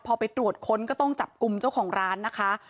พอไปตรวจค้นก็ต้องจับกลุ่มเจ้าของร้านนะคะ